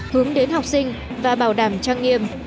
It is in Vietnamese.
hướng đến học sinh và bảo đảm trang nghiệm